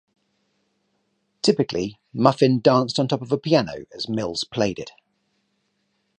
Typically, Muffin danced on top of a piano as Mills played it.